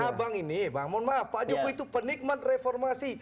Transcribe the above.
abang ini bang mohon maaf pak jokowi itu penikmat reformasi